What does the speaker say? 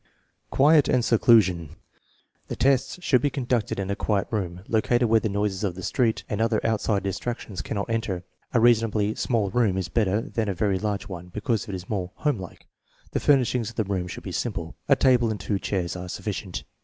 Quiet and seclusion. The tests should be conducted in a quiet room, located where the noises of the street and other outside distractions cannot enter. A reasonably small room is better than a very large one, because it is more homelike. The furnishings of the room should be simple. A table and two chairs are sufficient.